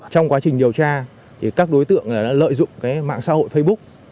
trong quá trình điều tra các đối tượng đã lợi dụng mạng xã hội facebook